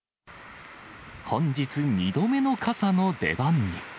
本日２度目の傘の出番に。